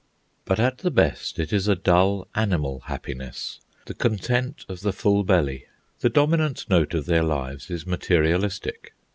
But at the best, it is a dull, animal happiness, the content of the full belly. The dominant note of their lives is materialistic.